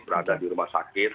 berada di rumah sakit